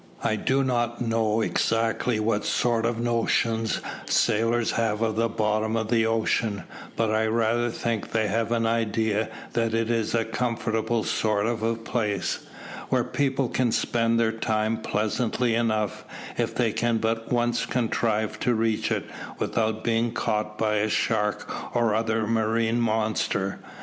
I do not know exactly what sort of a notion sailors have of the bottom of the ocean, but I rather think they have an idea that it is a comfortable sort of a place, where people can spend their time pleasantly enough, if they can but once contrive to reach it without being caught by a shark or other marine monster.